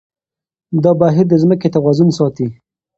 دا بهير د ځمکې توازن ساتي.